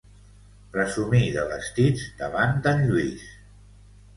Presumí de vestits davant d'en Lluís.